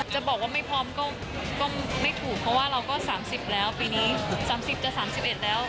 จะบอกว่าไม่พร้อมก็ไม่ถูกเพราะว่าเราก็๓๐แล้วปีนี้๓๐จะ๓๑แล้ว